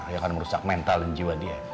yang akan merusak mental dan jiwa dia